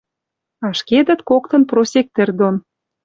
Ашкедӹт коктын просек тӹр дон